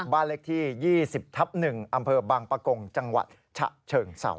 บ้านเลขที่๒๐ทับ๑อำเภอบางปะกงจังหวัดฉะเชิงเศร้า